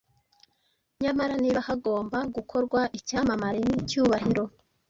Nyamara niba hagomba gukorwa icyamamare nicyubahiro,